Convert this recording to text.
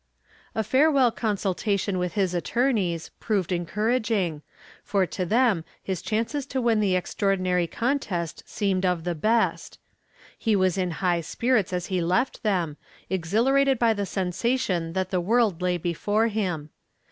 A farewell consultation with his attorneys proved encouraging, for to them his chances to win the extraordinary contest seemed of the best. He was in high spirits as he left them, exhilarated by the sensation that the world lay before him.